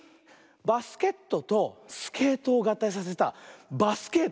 「バスケット」と「スケート」をがったいさせた「バスケート」。